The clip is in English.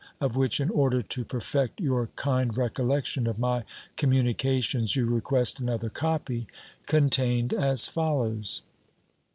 (of which, in order to perfect your kind collection of my communications you request another copy) contained as follows.